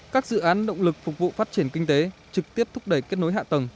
các dự án động lực phục vụ phát triển kinh tế trực tiếp thúc đẩy kết nối hạ tầng